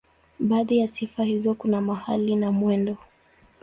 Baadhi ya sifa hizo kuna mahali na mwendo.